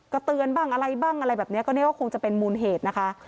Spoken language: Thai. ก็เตือนบ้างอะไรบ้างอะไรแบบนี้ก็เนี่ยก็คงจะเป็นมูลเหตุนะคะ